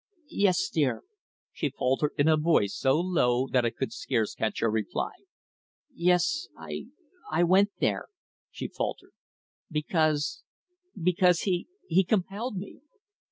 "Yes, dear," she faltered in a voice so low that I could scarce catch her reply. "Yes I I went there," she faltered, "because because he he compelled me."